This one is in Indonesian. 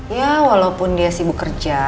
ya walaupun dia sibuk kerja